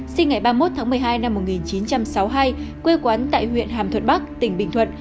sinh ngày ba mươi một tháng một mươi hai năm một nghìn chín trăm sáu mươi hai quê quán tại huyện hàm thuận bắc tỉnh bình thuận